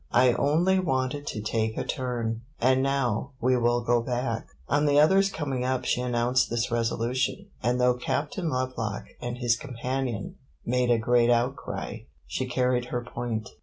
I only wanted to take a turn, and now we will go back." On the others coming up she announced this resolution, and though Captain Lovelock and his companion made a great outcry, she carried her point.